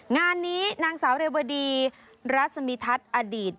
งานนี้นางสาวเรวดีรัศมิทัศน์อดีต